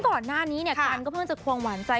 ก่อนหน้านี้เนี่ยกันก็เพิ่งจะควงหวานใจ